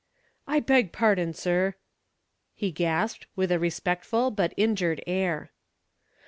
"I beg pardon, sir," he gasped, with a respectful but injured air.